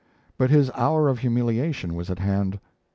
But his hour of humiliation was at hand.